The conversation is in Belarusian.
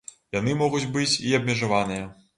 Яны могуць быць і абмежаваныя.